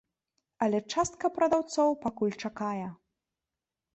Але частка прадаўцоў пакуль чакае.